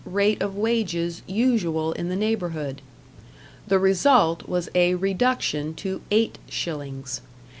rate of wages usual in the neighbourhood. The result was a reduction to 8s.